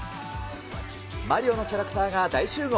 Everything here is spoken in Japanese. マリオのキャラクターが大集合。